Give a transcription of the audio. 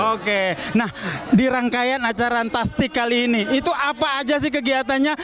oke nah di rangkaian acara tastic kali ini itu apa aja sih kegiatannya